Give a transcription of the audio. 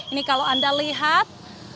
ini kalau anda lihat